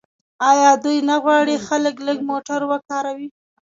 آیا دوی نه غواړي خلک لږ موټر وکاروي؟